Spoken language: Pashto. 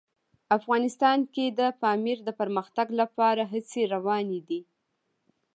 افغانستان کې د پامیر د پرمختګ لپاره هڅې روانې دي.